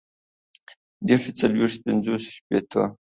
ديرشو، څلويښتو، پنځوسو، شپيتو